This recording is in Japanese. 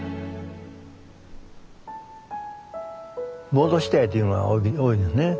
戻したいっていうのが多いですね。